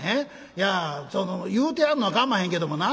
いや言うてやるのはかまへんけどもな